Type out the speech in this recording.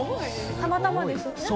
たまたまですよね？